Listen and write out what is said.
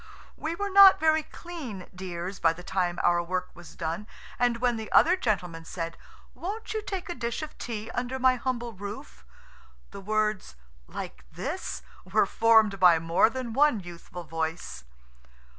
We were not very clean dears by the time our work was done, and when the other gentleman said, "Won't you take a dish of tea under my humble roof?" the words "Like this?" were formed by more than one youthful voice.